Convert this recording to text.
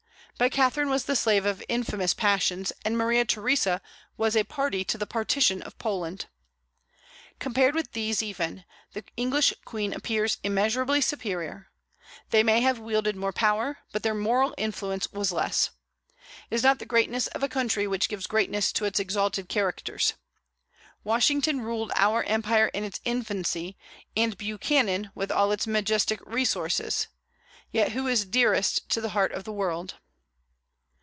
But Catherine was the slave of infamous passions, and Maria Theresa was a party to the partition of Poland. Compared with these even, the English queen appears immeasurably superior; they may have wielded more power, but their moral influence was less. It is not the greatness of a country which gives greatness to its exalted characters. Washington ruled our empire in its infancy; and Buchanan, with all its majestic resources, yet who is dearest to the heart of the world?